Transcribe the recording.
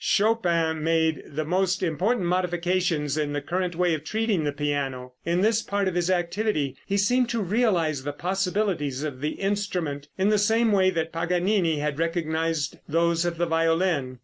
Chopin made the most important modifications in the current way of treating the piano. In this part of his activity he seemed to realize the possibilities of the instrument, in the same way that Paganini had recognized those of the violin.